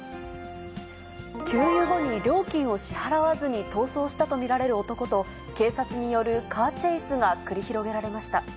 給油後に料金を支払わずに逃走したと見られる男と、警察によるカーチェイスが繰り広げられました。